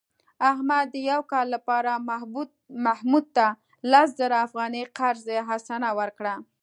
احمد د یو کال لپاره محمود ته لس زره افغانۍ قرض حسنه ورکړه.